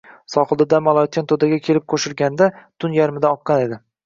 sohilda dam olayotgan To‘daga kelib qo‘shilganida tun yarmidan oqqan edi.